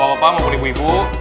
bapak bapak maupun ibu ibu